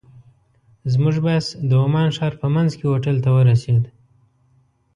زموږ بس د عمان ښار په منځ کې هوټل ته ورسېد.